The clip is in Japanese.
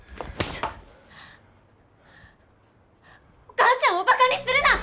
お母ちゃんをバカにするな！